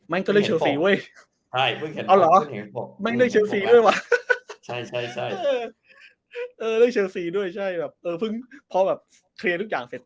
แม่งก็เลยเชี่ยวสีว่ะช่วยด้วยใช่แบบเพิ่งเพราะแบบที่อย่าง